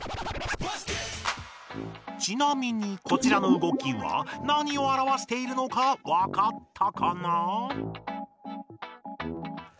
ちなみにこちらの動きはなにをあらわしているのかわかったかな？